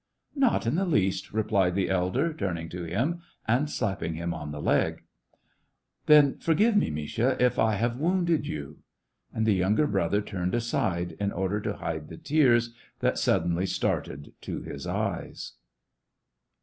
" Not in the least," replied the elder, turning to him, and slapping him on the leg. 1^6 SEVASTOPOL IN AUGUST. " Then forgive me, Misha, if I have wounded you." And the younger brother turned aside, in order to hide the tears that suddenly started to his eyies.